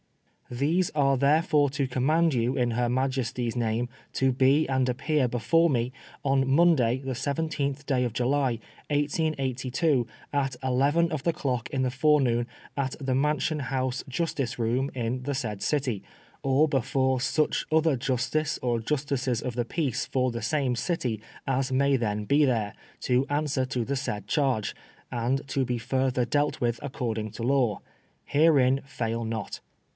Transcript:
:" These are therefore to command you, in Her Majesty's name, to be and appear before me, on Monday, the 17th day of July, 1882, at eleven of the clock in the forenoon, at the Mansion House Justice Room, in the said City, or before such other justice or justices of the peace for the same City as may then be there, to answer to the said charge, and to be further dealt with according to law. Herein fail not.